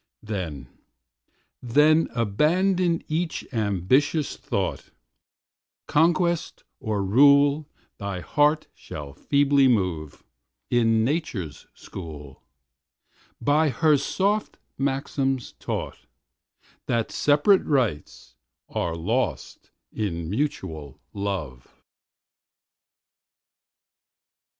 Then, then, abandon each ambitious thought, Conquest or rule thy heart shall feebly move, In Nature's school, by her soft maxims taught, That separate rights are lost in mutual love.